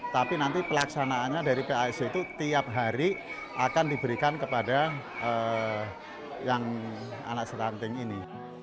tapi nanti pelaksanaannya dari pic itu tiap hari akan diberikan kepada yang anak stunting ini